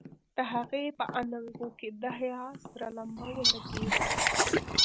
د هغې په اننګو کې د حيا سره لمبه ولګېده.